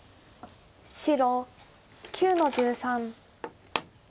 白９の十三。